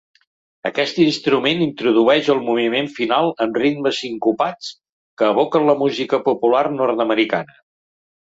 Aquest instrument introdueix el moviment final, amb ritmes sincopats que evoquen la música popular nord-americana.